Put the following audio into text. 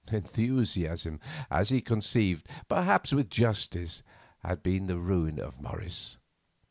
Enthusiasm, as he conceived, perhaps with justice, had been the ruin of Morris.